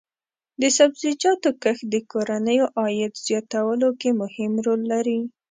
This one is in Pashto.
د سبزیجاتو کښت د کورنیو عاید زیاتولو کې مهم رول لري.